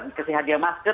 dikasih hadiah masker